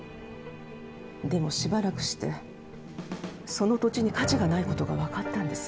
でもしばらくしてその土地に価値がないことがわかったんです。